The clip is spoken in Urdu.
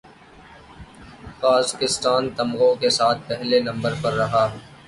قازقستان تمغوں کے ساتھ پہلے نمبر پر رہا